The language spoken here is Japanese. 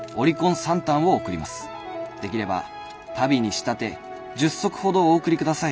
できれば足袋に仕立て１０足ほどお送りください」。